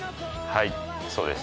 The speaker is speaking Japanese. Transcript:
はいそうです。